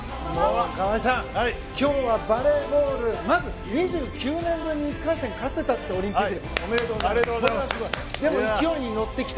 川合さん、今日はバレーボールまず２９年ぶりに１回戦オリンピックで勝てた。